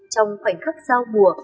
trong khoảnh khắc sau mùa